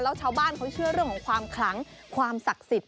แล้วชาวบ้านเขาเชื่อเรื่องของความขลังความศักดิ์สิทธิ